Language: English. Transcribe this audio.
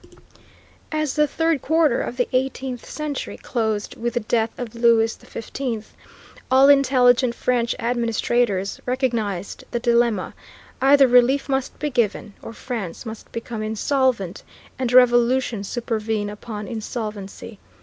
As the third quarter of the eighteenth century closed with the death of Louis XV, all intelligent French administrators recognized the dilemma; either relief must be given, or France must become insolvent, and revolution supervene upon insolvency.